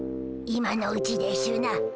今のうちでしゅな。